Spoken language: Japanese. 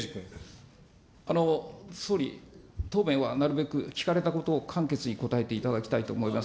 総理、答弁はなるべく聞かれたことを簡潔に答えていただきたいと思います。